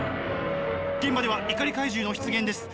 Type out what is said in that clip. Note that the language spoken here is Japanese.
現場では怒り怪獣の出現です。